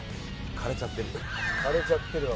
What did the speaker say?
枯れちゃってるわ。